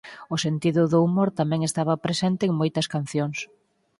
O sentido do humor tamén estaba presente en moitas cancións.